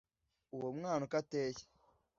uwo mwana uko ateye